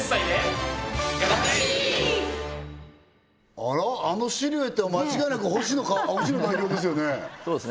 あのシルエットは間違いなく星野代表ですよね？